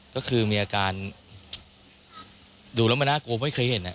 ก็คือมีอาการดูแล้วมันน่ากลัวไม่เคยเห็น